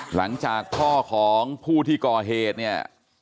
หลังจากพ่อของผู้ที่ก่อเหตุเนี่ย